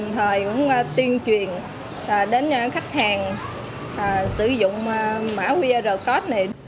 thời cũng tuyên truyền đến khách hàng sử dụng mã qr code này